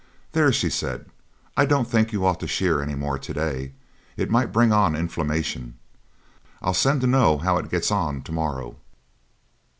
'There,' she said, 'I don't think you ought to shear any more to day; it might bring on inflammation. I'll send to know how it gets on to morrow.'